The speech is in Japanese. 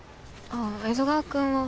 ああ江戸川くんは。